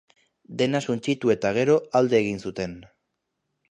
Dena suntsitu eta gero alde egin zuten.